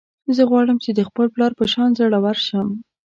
زه غواړم چې د خپل پلار په شان زړور شم